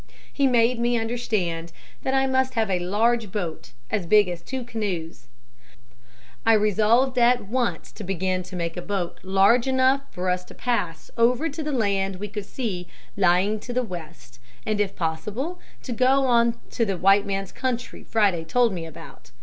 He made me understand that I must have a large boat as big as two canoes. "I resolved at once to begin to make a boat large enough for us to pass over to the land we could see lying to the west and if possible to go on to the white man's country Friday told me about.